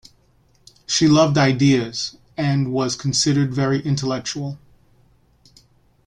She loved ideas, and was considered very intellectual.